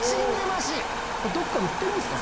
どっか売ってるんすか？